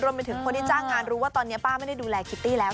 เป็นคนที่จ้างงานรู้ว่าตอนนี้ป้าไม่ได้ดูแลคิตตี้แล้ว